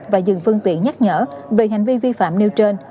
và dừng phương tiện nhắc nhở về hành vi vi phạm nêu trên